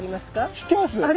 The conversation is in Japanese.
知ってます！